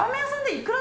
いくら？